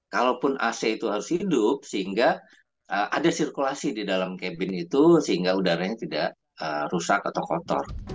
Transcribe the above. kalaupun ac itu harus hidup sehingga ada sirkulasi di dalam kembin itu sehingga udaranya tidak rusak atau kotor